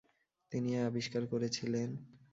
তিনি এ আবিষ্কার করেছিলেন।